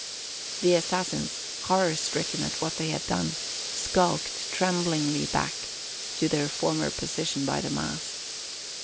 The assassins, horror stricken at what they had done, skulked tremblingly back to their former position by the mast.